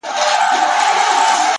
لکه ماسوم بې موره،